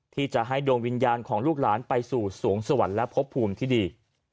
ที่จะให้ดวงวิญญาณของลูกหลานไปสู่สวงสวรรค์และพบภูมิที่ดี